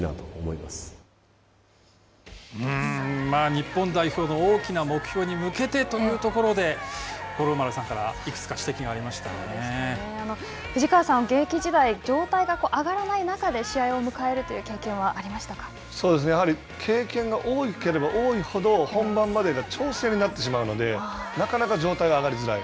日本代表の大きな目標に向けてというところで五郎丸さんから藤川さん、現役時代状態が上がらない中で試合を迎えるという経験はやはり経験が多ければ多いほど本番までが調整になってしまうのでなかなか状態が上がりづらい。